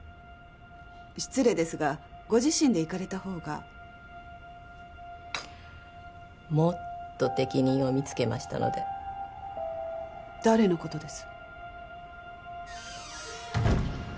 失礼ですがご自身で行かれた方がもっと適任を見つけましたので誰のことです？